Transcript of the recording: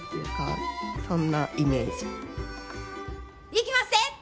いきまっせ！